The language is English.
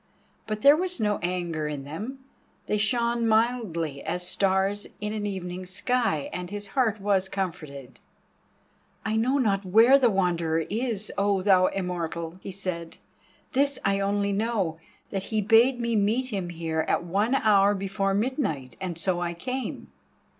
But there was no anger in them, they shone mildly as stars in an evening sky, and his heart was comforted. "I know not where the Wanderer is, O thou Immortal," he said. "This I know only, that he bade me meet him here at one hour before midnight, and so I came."